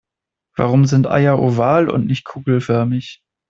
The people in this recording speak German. Warum sind Eier oval und nicht kugelförmig?